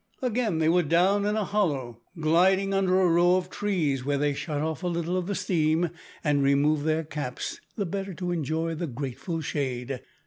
Again they were down in a hollow, gliding under a row of trees, where they shut off a little of the steam and removed their caps, the better to enjoy the grateful shade.